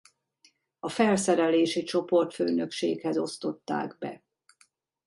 A felszerelési csoportfőnökséghez osztották be.